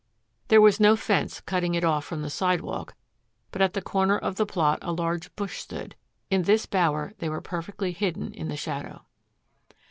There was no fence cutting it off from the sidewalk, but at the corner of the plot a large bush stood. In this bower they were perfectly hidden in the shadow.